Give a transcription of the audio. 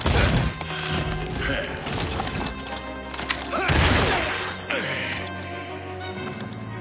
ハッ！